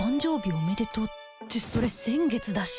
おめでとうってそれ先月だし